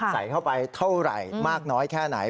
ใส่เข้าไปเท่าไหร่มากน้อยแค่ไหน